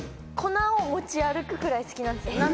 粉を持ち歩くくらい好きなんです。